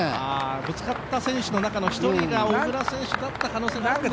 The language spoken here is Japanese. ぶつかった選手の中の一人が小椋選手だった可能性ありますね。